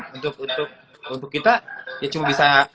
untuk kita ya cuma bisa